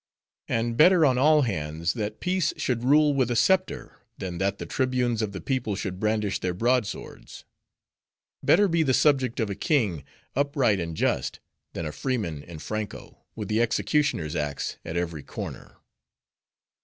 And better, on all hands, that peace should rule with a scepter, than than the tribunes of the people should brandish their broadswords. Better be the subject of a king, upright and just; than a freeman in Franko, with the executioner's ax at every corner.